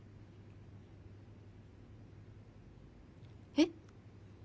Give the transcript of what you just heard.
えっ？